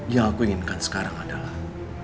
yang aku inginkan sekarang adalah